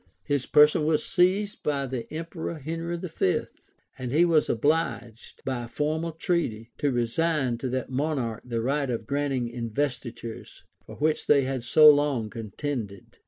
His person was seized by the emperor Henry V., and he was obliged, by a formal treaty, to resign to that monarch the right of granting investitures, for which they had so long contended.